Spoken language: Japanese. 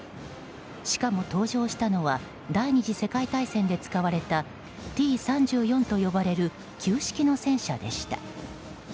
しかも、登場したのは第２次世界大戦で使われたＴ３４と呼ばれる旧式の戦車でした。